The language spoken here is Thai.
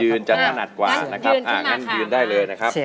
ยืนจะน่านัดกว่ายืนขึ้นมาครับ